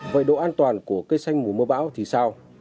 vậy độ an toàn của cây xanh mùa mưa bão thì sao